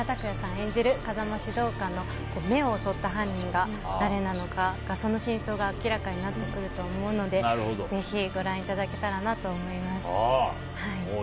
演じる風間指導官の目を襲った犯人が誰なのか、その真相が明らかになってくると思うのでぜひご覧いただけたらなと思います。